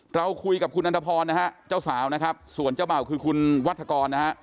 เราคุยกับคุณอันทพรนะฮะเจ้าสาวนะครับส่วนเจ้าเบ่าคือคุณวัฒกรนะฮะ